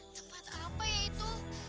tempat apa ya itu